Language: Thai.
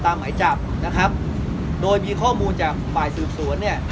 หมายจับนะครับโดยมีข้อมูลจากฝ่ายสืบสวนเนี่ย